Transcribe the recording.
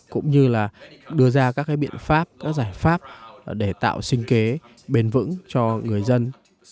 cũng như là đưa ra các biện pháp các giải pháp để tạo sinh kế bền vững cho người dân